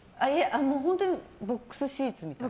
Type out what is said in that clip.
本当にボックスシーツみたいな。